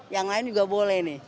yang lain juga boleh nih